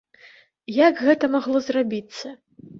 Як гэта магло зрабіцца?